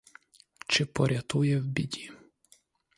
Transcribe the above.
Чи порятує в біді?